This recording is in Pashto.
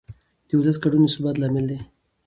د ولس ګډون د ثبات لامل دی